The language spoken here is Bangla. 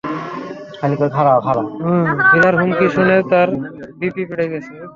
ভীরার হুমকি শুনে, তার বিপি বেড়ে গেছে।